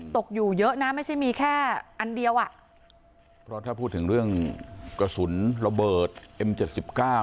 ตกอยู่เยอะนะไม่ใช่มีแค่อันเดียวอ่ะเพราะถ้าพูดถึงเรื่องกระสุนระเบิดเอ็มเจ็ดสิบเก้า